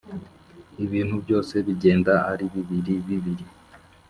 Ibintu byose bigenda ari bibiri bibiri,